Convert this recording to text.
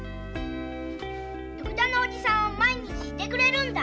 徳田のおじさんは毎日居てくれるんだ。